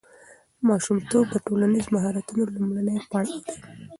ماشومتوب د ټولنیز مهارتونو لومړنی پړاو دی.